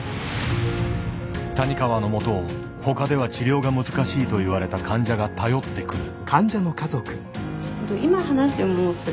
谷川の元を他では治療が難しいと言われた患者が頼ってくる。